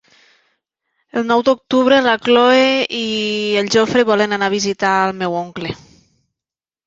El nou d'octubre na Cloè i en Jofre volen anar a visitar mon oncle.